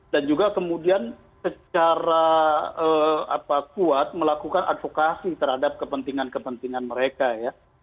dan juga kemudian secara kuat melakukan advokasi terhadap kepentingan kepentingan mereka ya